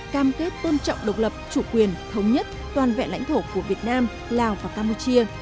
cam kết tôn trọng độc lập chủ quyền thống nhất toàn vẹn lãnh thổ của việt nam lào và campuchia